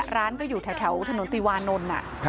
ร้านก็อยู่แถวถนนติวานนท์